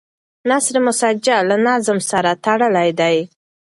نثر مسجع له نظم سره تړلی دی.